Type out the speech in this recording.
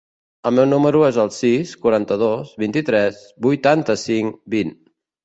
El meu número es el sis, quaranta-dos, vint-i-tres, vuitanta-cinc, vint.